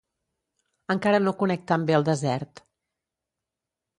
Encara no conec tan bé el desert.